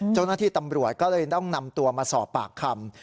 เจ้าหน้าที่ตำรวจก็เลยต้องนำตัวมาสอบปากคำ